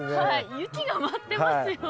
雪が舞ってますよ。